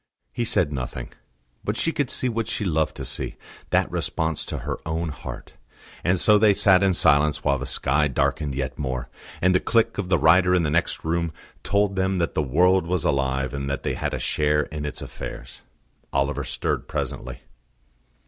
He said nothing; but she could see what she loved to see, that response to her own heart; and so they sat in silence while the sky darkened yet more, and the click of the writer in the next room told them that the world was alive and that they had a share in its affairs. Oliver stirred presently.